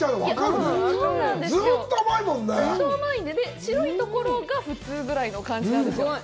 ずっと甘いので、白いところが普通ぐらいの感じなんですよ。